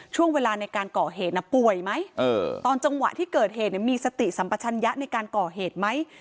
ช่วงเวลาในการก่อเหตุป่วยไหมตอนจังหวะที่เกิดเหตุมีสติสัมปชัญญะในการก่อเหตุไหม